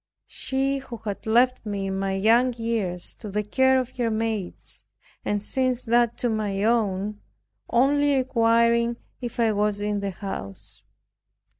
She who had left me in my young years to the care of her maids, and since that to my own, only requiring if I was in the house.